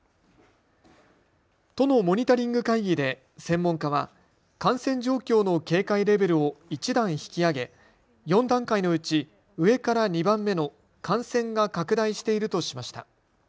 都のモニタリング会議で専門家は感染状況の警戒レベルを１段引き上げ４段階のうち上から２番目の感染が拡大しているとしました。